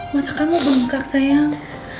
mata kamu bengkak sayang